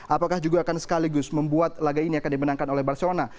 apakah juga akan sekaligus membuat laga ini akan dimenangkan oleh barcelona